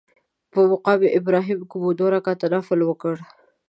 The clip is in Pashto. په مقام ابراهیم کې مو دوه رکعته نفل وکړل.